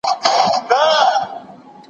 موږ خپل ټول کارونه ترسره کړل.